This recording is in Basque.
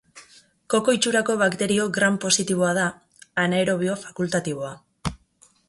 Koko itxurako bakterio Gram positiboa da, anaerobio fakultatiboa.